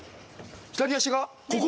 左足がここ？